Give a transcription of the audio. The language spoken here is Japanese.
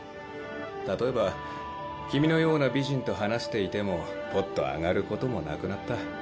例えば君のような美人と話していてもポッと上がることもなくなった。